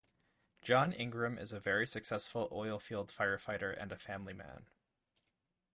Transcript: John Ingram is a very successful oil-field firefighter and a family man.